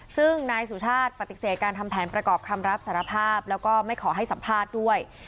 ซึ่งนายสุชาติปฏิเสธการทำแผนประกอบคำรับสารภาพแล้วก็ไม่ขอให้สัมภาษณ์ด้วย